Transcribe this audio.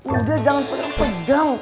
indra jangan pernah pedang